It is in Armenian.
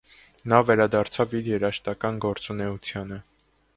Նա վերադարձավ իր երաժշտական գործունեությանը։